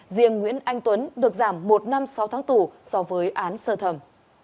riêng nguyễn anh tuấn được giảm một năm sáu tháng tù so với án sơ thẩm